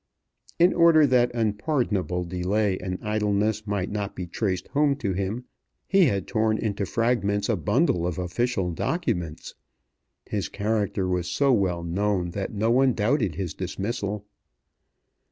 In order that unpardonable delay and idleness might not be traced home to him, he had torn into fragments a bundle of official documents. His character was so well known that no one doubted his dismissal.